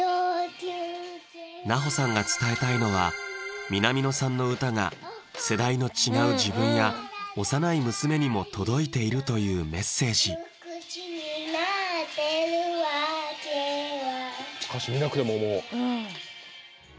奈穂さんが伝えたいのは南野さんの歌が世代の違う自分や幼い娘にも届いているというメッセージ「無口になってるわけは」